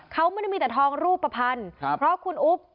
เขาไม่ได้มีแต่ทองรูปภัณฑ์เพราะคุณอุ๊บ